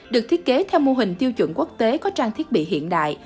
được thiết kế theo mô hình tiêu chuẩn quốc tế có trang thiết bị hiện đại